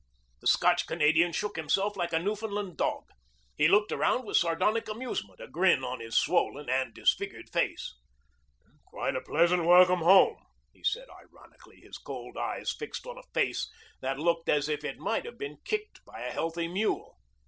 The Scotch Canadian shook himself like a Newfoundland dog. He looked around with sardonic amusement, a grin on his swollen and disfigured face. "Quite a pleasant welcome home," he said ironically, his cold eyes fixed on a face that looked as if it might have been kicked by a healthy mule.